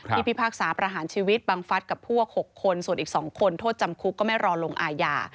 พิพากษาประหารชีวิตบังฟัฐกับพวก๖คนส่วนอีก๒คนโทษจำคุกก็ไม่รอลงอาญา